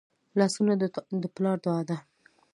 لاسونه د پلار دعا ده